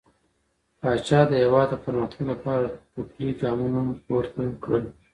پاچا د هيواد د پرمختګ لپاره ټوکلي ګامونه پورته کړل .